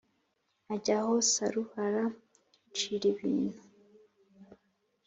Ajya aho Saruhara icira ibintu,